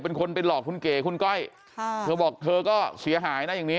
เป็นคนไปหลอกคุณเก๋คุณก้อยค่ะเธอบอกเธอก็เสียหายนะอย่างนี้